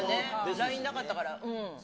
ＬＩＮＥなかったから。